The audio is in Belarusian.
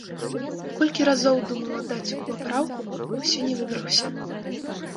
Колькі разоў думаў аддаць у папраўку, а ўсё не выбраўся.